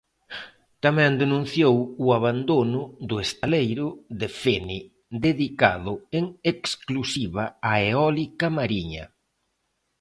Tamén denunciou o abandono do estaleiro de Fene, dedicado en exclusiva á eólica mariña.